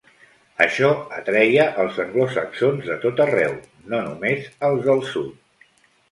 Això atreia els anglosaxons de tot arreu, no només als del sud.